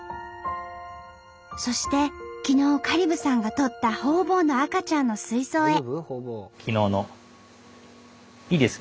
そして昨日香里武さんがとったホウボウの赤ちゃんの水槽へ。